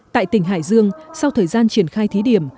tại tỉnh hải dương sau thời gian triển khai thí điểm